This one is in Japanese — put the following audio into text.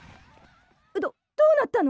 どどうなったの？